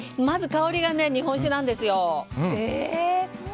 まず香りが日本酒なんですよ。